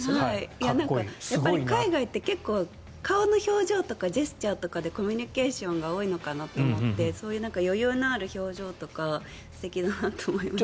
海外って結構、顔の表情とかジェスチャーとかでコミュニケーションが多いのかなと思ってそういう余裕のある表情とか素敵だなと思いました。